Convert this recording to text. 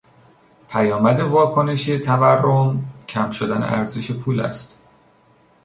پیامد واکنشی تورم، کم شدن ارزش پول است.